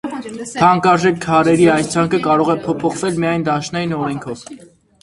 Թանկարժեք քարերի այս ցանկը կարող է փոփոխվել միայն դաշնային օրենքով։